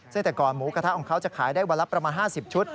ซึ่งแต่ก่อนหมูกระทะของเขาจะขายได้วันละประมาณ๕๐ชุด